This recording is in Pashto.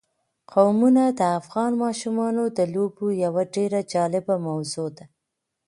قومونه د افغان ماشومانو د لوبو یوه ډېره جالبه موضوع ده.